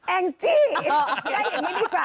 แองจี้